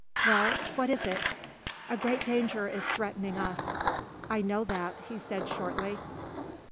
"Well, what is it?" "A great danger is threatening us." "I know that," he said shortly.